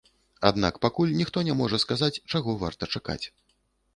Аднак пакуль ніхто не можа сказаць, чаго варта чакаць.